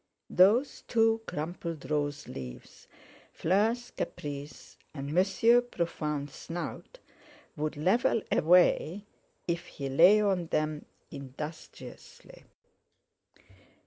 Those two crumpled rose leaves, Fleur's caprice and Monsieur Profond's snout, would level away if he lay on them industriously.